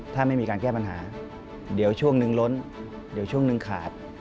ถ้าไม่มีการแก้ปัญหาเดี๋ยวช่วงหนึ่งล้นเดี๋ยวช่วงหนึ่งขาด